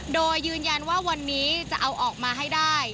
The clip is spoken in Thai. โดยยืนยันว่าวันนี้จะเอาออกมาให้ได้